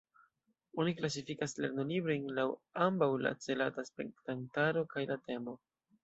Oni klasifikas lernolibrojn laŭ ambaŭ la celata spektantaro kaj la temo.